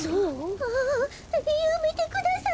ああやめてください。